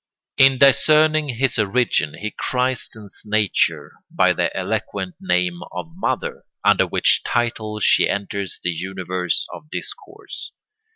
In discerning his origin he christens Nature by the eloquent name of mother, under which title she enters the universe of discourse.